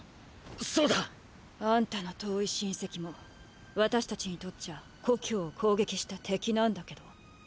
そうだ！あんたの遠い親戚も私たちにとっちゃ故郷を攻撃した敵なんだけど。